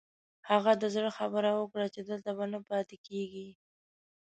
هغه د زړه خبره وکړه چې دلته به نه پاتې کېږي.